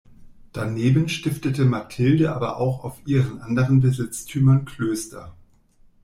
Daneben stiftete Mathilde aber auch auf ihren anderen Besitztümern Klöster.